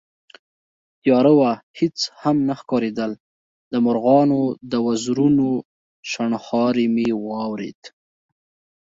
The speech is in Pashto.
تياره وه، هېڅ هم نه ښکارېدل، د مرغانو د وزرونو شڼهاری مې واورېد